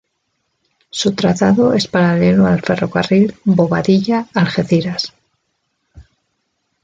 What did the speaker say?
Su trazado es paralelo al ferrocarril Bobadilla-Algeciras.